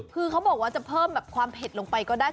คือเขาบอกว่าจะเพิ่มแบบความเผ็ดลงไปก็ได้